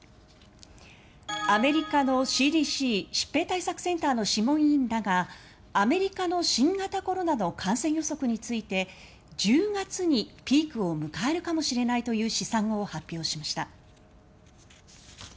アメリカのＣＤＣ・疾病対策センターの諮問委員らがアメリカの新型コロナの感染予測について１０月にピークを迎えるかもしれないという試算を発表しました。